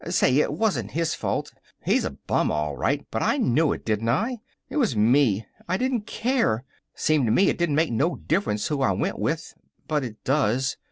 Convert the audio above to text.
"Say, it wasn't his fault. He's a bum, all right, but I knew it, didn't I? It was me. I didn't care. Seemed to me it didn't make no difference who I went with, but it does."